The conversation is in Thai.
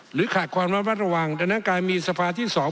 ขาดความระมัดระวังดังนั้นการมีสภาที่สอง